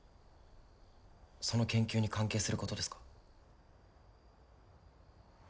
その研究に関係することですか？